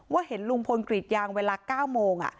เห็นลุงพลกรีดยางเวลา๙โมง